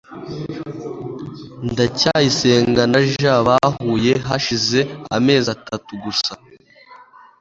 ndacyayisenga na j bahuye hashize amezi atatu gusa